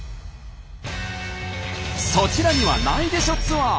そちらにはないでしょツアー。